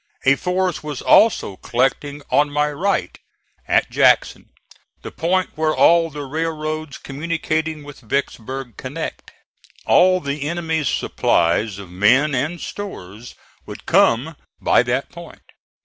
A force was also collecting on my right, at Jackson, the point where all the railroads communicating with Vicksburg connect. All the enemy's supplies of men and stores would come by that point.